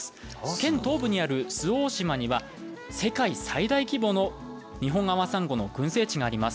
県東部にある周防大島には世界最大規模の二ホンアワサンゴの群生地があります。